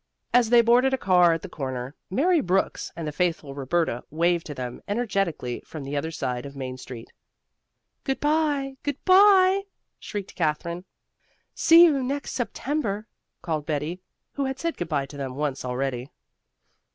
As they boarded a car at the corner, Mary Brooks and the faithful Roberta waved to them energetically from the other side of Main Street. "Good bye! Good bye!" shrieked Katherine. "See you next September," called Betty, who had said good bye to them once already.